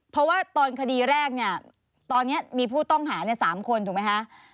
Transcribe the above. เพราะว่าตอนคดีแรกเนี่ยตอนนี้มีผู้ต้องหา๓คนถูกไหมคะ